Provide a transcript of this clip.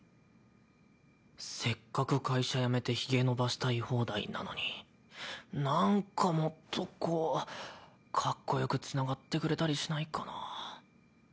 せっかく会社辞めてヒゲ伸ばしたい放題なのになんかもっとこうかっこよくつながってくれたりしないかなぁ。